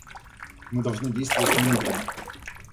Мы должны действовать немедленно.